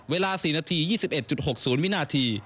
เวลา๔นาที๒๑๖๐วินาที